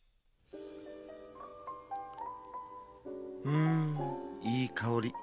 うんいいかおり。